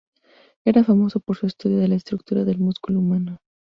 Era famoso por su estudio de la estructura del músculo humano.